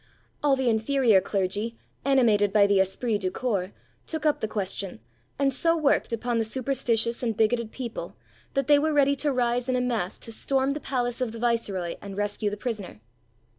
All the inferior clergy, animated by the esprit du corps, took up the question, and so worked upon the superstitious and bigoted people, that they were ready to rise in a mass to storm the palace of the viceroy and rescue the prisoner.